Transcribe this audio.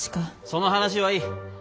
その話はいい。